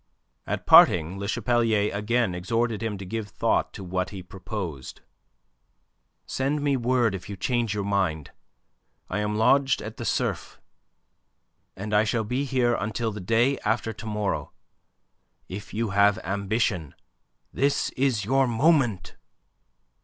At parting Le Chapelier again exhorted him to give thought to what he proposed. "Send me word if you change your mind. I am lodged at the Cerf, and I shall be here until the day after to morrow. If you have ambition, this is your moment."